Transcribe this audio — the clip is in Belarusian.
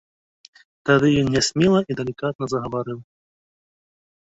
Тады ён нясмела і далікатна загаварыў.